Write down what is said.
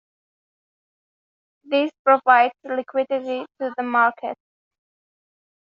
This provides liquidity to the markets.